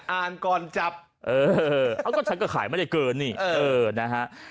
อ่านก่อนจับเออก็ฉันก็ขายไม่ได้เกินนี่เออนะฮะ